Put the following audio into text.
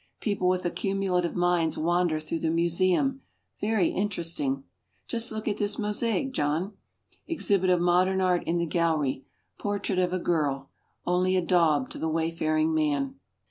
People with accumulative minds wander through the museum, very interesting, "Just look at this mosaic, John." Exhibit of modern art in the gallery. "Portrait of a girl," only a daub to the wayfaring man.